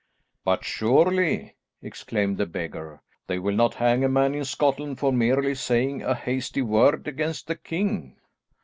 "But surely," exclaimed the beggar, "they will not hang a man in Scotland for merely saying a hasty word against the king?"